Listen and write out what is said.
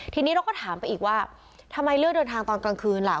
ทีนี้เราก็ถามไปอีกว่าทำไมเลือกเดินทางตอนกลางคืนล่ะ